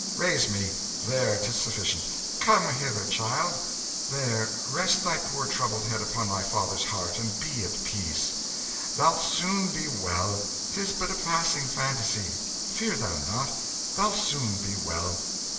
Raise me! There, 'tis sufficient. Come hither, child; there, rest thy poor troubled head upon thy father's heart, and be at peace. Thou'lt soon be well: 'tis but a passing fantasy. Fear thou not; thou'lt soon be well."